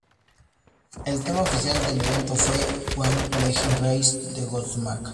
El tema oficial del evento fue ""When Legends Rise"" de Godsmack.